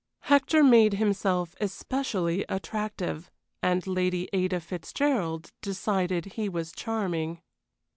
Hector made himself especially attractive, and Lady Ada Fitzgerald decided he was charming.